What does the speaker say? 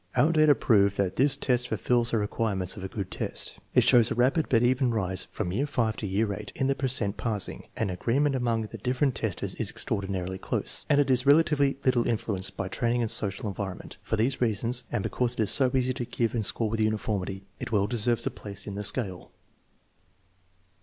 Our data prove that this test fulfills the requirements of a good test. It shows a rapid but even rise from year V to year VIII in the per cent passing, the agreement among the different testers is extraordinarily close, and it is rela tively little influenced by training and social environment. For these reasons, and because it is so easy to give and score with uniformity, it well deserves a place in the scale.